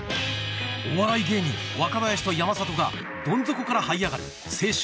お笑い芸人若林と山里がどん底からはい上がる青春